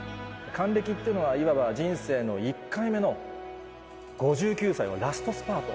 還暦っていうのは、いわば人生の１回目の５９歳はラストスパート。